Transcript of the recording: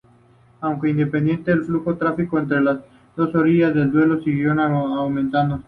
Aunque independiente, el flujo de tráfico entre las dos orillas del Duero siguió aumentando.